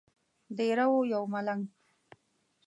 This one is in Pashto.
دیره وو یو ملنګ.